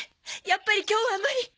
やっぱり今日は無理。